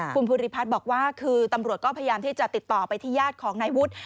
คุณภูริพัฒน์บอกว่าคือตำรวจก็พยายามที่จะติดต่อไปที่ญาติของนายวุฒิ